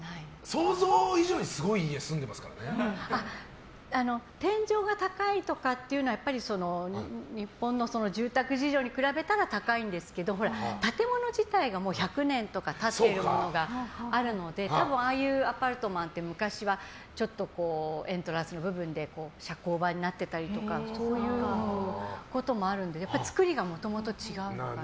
想像以上に天井が高いとかっていうのは日本の住宅事情に比べたら高いんですけど建物自体が１００年とか経ってるものがあるので多分ああいうアパルトマンって昔はエントランスの部分が社交場になってたりとかそういうこともあるので造りがもともと違う。